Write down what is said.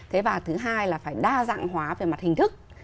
thế và thứ hai là phải đa dạng hóa về mặt hình thức